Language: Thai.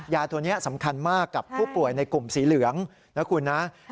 ยาตัวนี้สำคัญมากกับผู้ป่วยในกลุ่มสีเหลืองนะคุณนะ